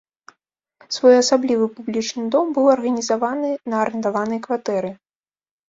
Своеасаблівы публічны дом быў арганізаваны на арандаванай кватэры.